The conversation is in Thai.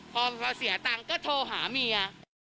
พอเสียตังค์ก็โทรหาเมีย